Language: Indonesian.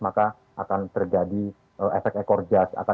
maka akan terjadi efek ekor jas